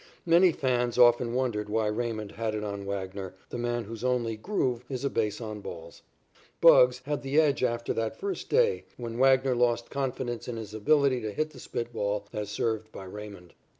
Many fans often wondered why Raymond had it on Wagner, the man whose only "groove" is a base on balls. "Bugs" had the edge after that first day when Wagner lost confidence in his ability to hit the spit ball as served by Raymond.